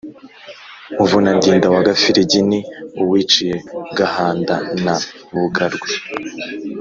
Muvunandinda wa Gafiligi ni Uwiciye Gahanda na Bugarwe